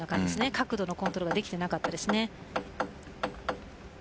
角度のコントロールができていなかったです。